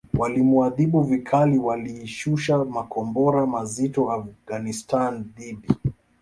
walimuadhibu vikali Walishusha makombora mazito Afghanistan dhidi